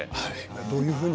どういうふうに？